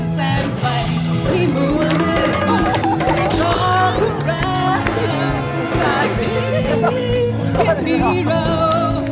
จากนี้แค่นี้เรา